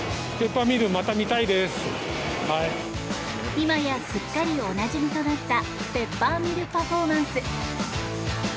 今やすっかりおなじみとなったペッパーミルパフォーマンス。